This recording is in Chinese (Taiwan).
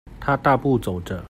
他大步走著